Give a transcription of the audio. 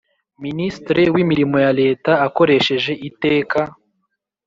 ministre w’imirimo ya leta akoresheje iteka